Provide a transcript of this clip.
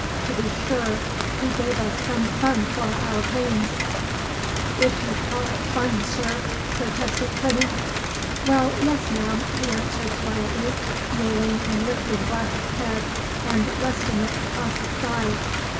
To be sure, he gave us some fun for our pains " "If you call it fun, sir," protested Plinny. "Well, yes, ma'am," he answered quietly, kneeling and lifting Glass's head, and resting it across his thigh.